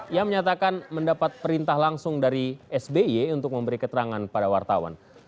ia menyatakan mendapat perintah langsung dari sby untuk memberi keterangan pada wartawan